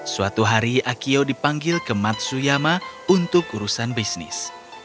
suatu hari akio dipanggil ke matsuyama untuk urusan bisnis